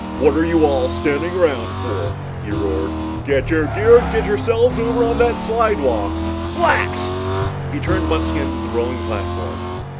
"What are you all standing around for?" he roared. "Get your gear and yourselves over on that slidewalk! Blast!" He turned once again to the rolling platform.